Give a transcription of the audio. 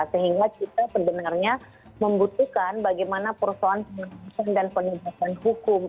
sehingga kita sebenarnya membutuhkan bagaimana persoalan pengawasan dan penegakan hukum